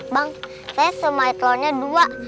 bang saya semai telurnya dua